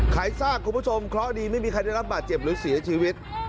ซากคุณผู้ชมเคราะห์ดีไม่มีใครได้รับบาดเจ็บหรือเสียชีวิต